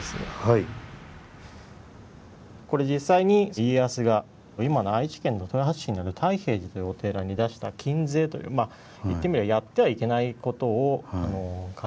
これ実際に家康が今の愛知県の豊橋市にある太平寺というお寺に出した禁制という言ってみればやってはいけないことを書いた。